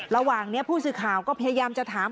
ระหว่างนี้ผู้สื่อข่าวก็พยายามจะถาม